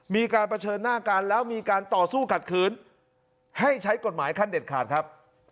มีการเผชิญหน้ากันแล้วมีการต่อสู้ขัดขืนให้ใช้กฎหมายขั้นเด็ดขาดครับ